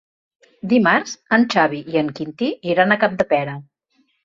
Dimarts en Xavi i en Quintí iran a Capdepera.